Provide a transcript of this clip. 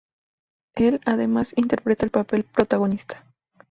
Él además interpreta el papel protagonista.